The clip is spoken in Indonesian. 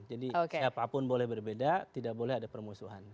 jadi siapapun boleh berbeda tidak boleh ada permusuhan